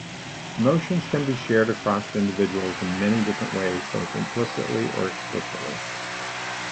Emotions can be shared across individuals in many different ways both implicitly or explicitly.